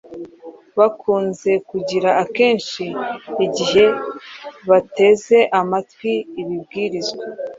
bakunze kugira akenshi igihe bateze amatwi ikibwirizwa,